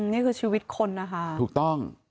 นี่คือชีวิตคนนะคะ